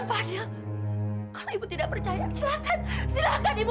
jadi jangan pernah ibu ibu